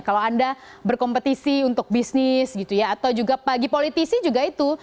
kalau anda berkompetisi untuk bisnis gitu ya atau juga bagi politisi juga itu